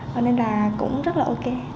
cho nên là cũng rất là ok